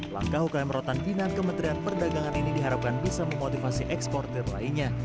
langkah ukm rotan binaan kementerian perdagangan ini diharapkan bisa memotivasi ekspor terlainya